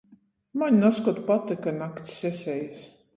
Maņ nazkod patyka nakts sesejis.